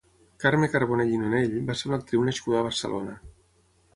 Carme Carbonell i Nonell va ser una actriu nascuda a Barcelona.